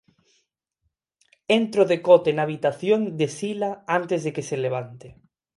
Entro decote na habitación de Sila antes de que se levante...